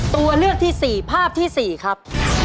ตัวเลือกที่๔ภาพที่๔ครับ